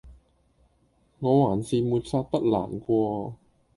我還是沒法不難過